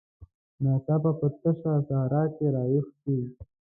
ناڅاپه په تشه صحرا کې راویښ شي.